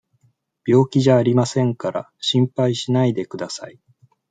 病気じゃありませんから、心配しないでください。